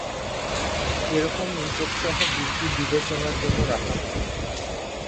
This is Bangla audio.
এরকম রিপোর্টসহ বিলটি বিবেচনার জন্য রাখা হয়।